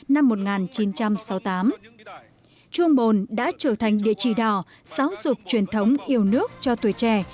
năm một nghìn chín trăm sáu mươi tám chuồng bồn đã trở thành địa chỉ đỏ giáo dục truyền thống yêu nước cho tuổi trẻ